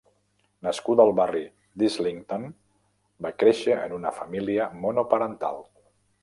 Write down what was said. Nascuda al barri d'Islington, va créixer en una família monoparental.